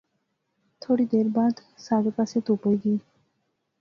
تھوڑی دیر بعد سارے پاسے تہوپ ہوئی غئی